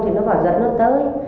thì nó bảo dẫn nó tới